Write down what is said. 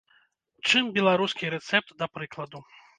Чым беларускі рэцэпт, да прыкладу.